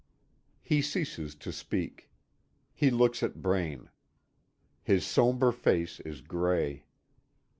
He ceases to speak. He looks at Braine. His sombre face is gray.